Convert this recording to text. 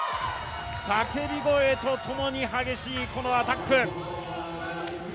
叫び声とともに激しいアタック。